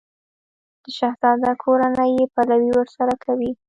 د شهزاده کورنۍ یې پلوی ورسره کوي.